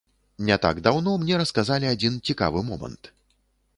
Не так даўно мне расказалі адзін цікавы момант.